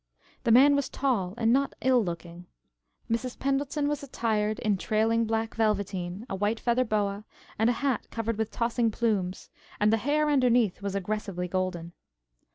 The man was tall and not ill looking. Mrs. Pendleton was attired in trailing black velveteen, a white feather boa, and a hat covered with tossing plumes, and the hair underneath was aggressively golden.